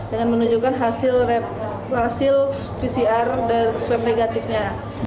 dengan menunjukkan hasil pcr dan swab negatifnya